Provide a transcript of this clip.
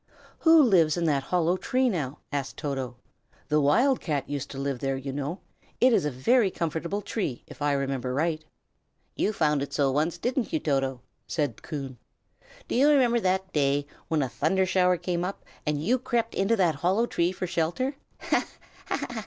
"Who lives in that hollow tree, now?" asked Toto. "The wild cat used to live there, you know. It is a very comfortable tree, if I remember right." "You found it so once, didn't you, Toto?" said Coon. "Do you remember that day, when a thunder shower came up, and you crept into that hollow tree for shelter? Ha! ha! ha!